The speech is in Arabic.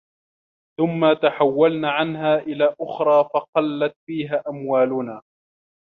ثُمَّ تَحَوَّلْنَا عَنْهَا إلَى أُخْرَى فَقَلَّتْ فِيهَا أَمْوَالُنَا